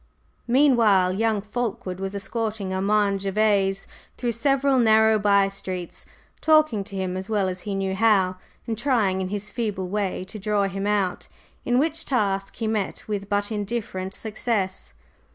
Meanwhile young Fulkeward was escorting Armand Gervase through several narrow by streets, talking to him as well as he knew how and trying in his feeble way to "draw him out," in which task he met with but indifferent success.